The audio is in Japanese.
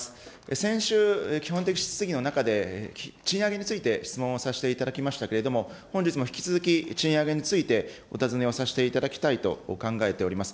先週、基本的質疑の中で、賃上げについて質問をさせていただきましたけれども、本日も引き続き、賃上げについてお尋ねをさせていただきたいと考えております。